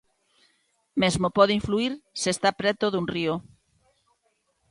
Mesmo pode influír se está preto dun río.